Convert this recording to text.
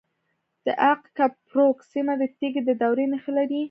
د اق کپروک سیمه د تیږې د دورې نښې لري